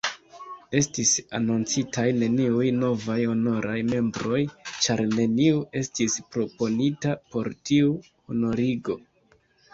Estis anoncitaj neniuj novaj honoraj membroj, ĉar neniu estis proponita por tiu honorigo.